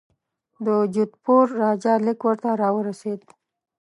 د جودپور راجا لیک ورته را ورسېد.